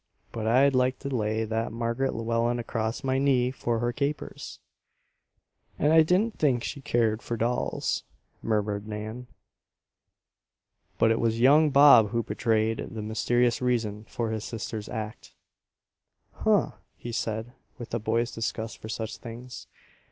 But I'd like to lay that Marg'ret Llewellen across my knee, for her capers." "And I didn't think she cared for dolls," murmured Nan. But it was young Bob who betrayed the mysterious reason for his sister's act. "Huh!" he said, with a boy's disgust for such things.